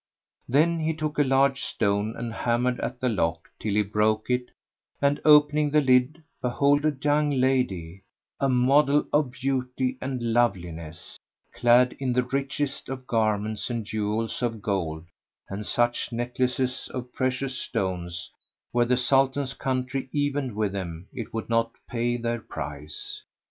Then he took a large stone and hammered at the lock till he broke it and, opening the lid, beheld a young lady, a model of beauty and loveliness, clad in the richest of garments and jewels of gold and such necklaces of precious stones that, were the Sultan's country evened with them, it would not pay their price.